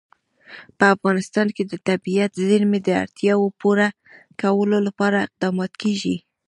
په افغانستان کې د طبیعي زیرمې د اړتیاوو پوره کولو لپاره اقدامات کېږي.